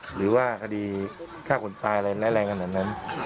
หรือว่าคดีฆ่าคนตายอะไรร้ายแรงขนาดนั้น